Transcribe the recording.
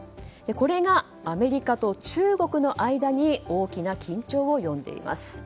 これがアメリカと中国の間に大きな緊張を呼んでいます。